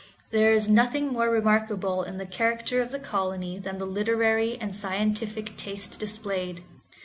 There is nothing more remarkable in the character of the colony than the literary and scientific taste displayed.